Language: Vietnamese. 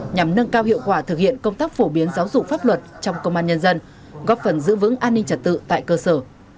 nhằm nâng cao hiệu quả thực hiện công tác phổ biến giáo dục pháp luật trong công an nhân dân góp phần giữ vững an ninh trật tự tại cơ sở